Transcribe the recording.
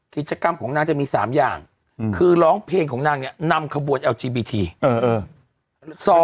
กิจกรรมของนางจะมี๓อย่างคือร้องเพลงของนางเนี่ยนำขบวนแอลจีบีที